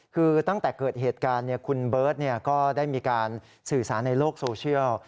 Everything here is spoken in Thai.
คือตั้งแต่เกิดเหตุการณ์คุณเบิร์ตก็ได้มีการสื่อสารในโลกโซเชียล